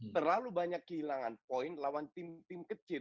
terlalu banyak kehilangan poin lawan tim tim kecil